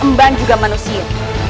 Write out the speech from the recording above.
emban juga manusia